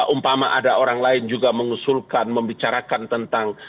umpama ada orang lain juga mengusulkan membicarakan tentang